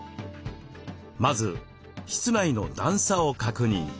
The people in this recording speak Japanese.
まず室内の段差を確認。